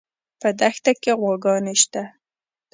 په دښته کې غواګانې شته